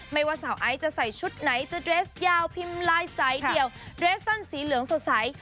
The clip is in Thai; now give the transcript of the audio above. ไม่ว่าสาวไอซ์จะใส่ชุดไหนจะเดรสยาวพิมพ์ลายสายเดี่ยวเรสสันสีเหลืองสดใส